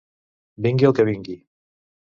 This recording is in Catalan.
Vingui el que vingui.